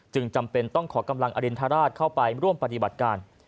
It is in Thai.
จำเป็นต้องขอกำลังอรินทราชเข้าไปร่วมปฏิบัติการ